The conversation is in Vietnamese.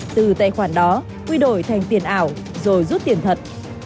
từ tài khoản đó quy đổi thành tiền ảo rồi rút tiền thật